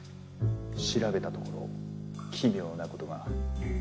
調べたところ奇妙なことが。